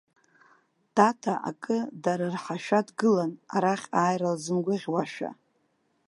Тата акы дарырҳашәа дгылан, арахь ааира лзымгәаӷьуашәа.